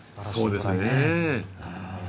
そうですね。